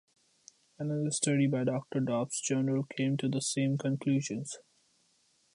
Another study by Doctor Dobb's Journal came to the same conclusions.